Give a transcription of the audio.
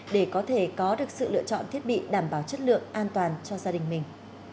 để có thể có được sự lựa chọn thiết bị đảm bảo chất lượng an toàn cho gia đình mình